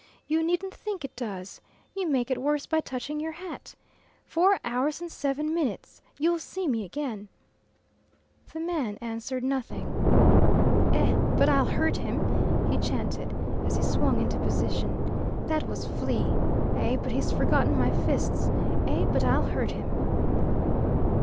You needn't think it does. You make it worse by touching your hat. Four hours and seven minutes! You'll see me again." The man answered nothing. "Eh, but I'll hurt him," he chanted, as he swung into position. "That was Flea. Eh, but he's forgotten my fists; eh, but I'll hurt him."